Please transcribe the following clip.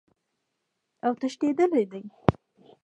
اوتښتیدلی دي